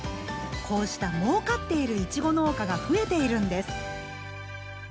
こうした「もうかっているいちご農家」が増えているんです。